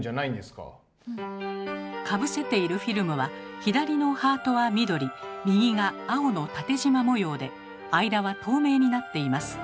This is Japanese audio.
かぶせているフィルムは左のハートは緑右が青の縦じま模様で間は透明になっています。